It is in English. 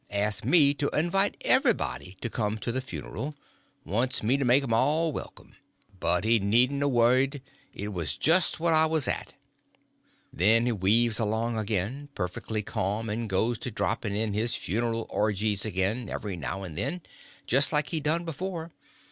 Asks me to invite everybody to come to the funeral—wants me to make 'em all welcome. But he needn't a worried—it was jest what I was at." Then he weaves along again, perfectly ca'm, and goes to dropping in his funeral orgies again every now and then, just like he done before.